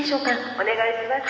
お願いします。